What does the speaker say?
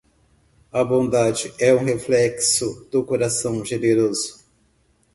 A bondade é um reflexo do coração generoso.